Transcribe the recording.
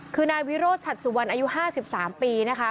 คือนายวิโรธฉัดสุวรรณอายุ๕๓ปีนะคะ